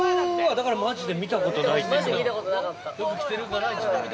だからマジで見たことないって言ってました